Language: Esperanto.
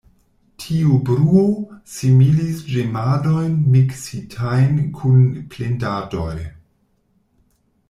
Tiu bruo similis ĝemadojn miksitajn kun plendadoj.